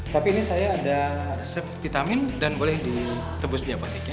tapi ini saya ada resep vitamin dan boleh ditebus di abatiknya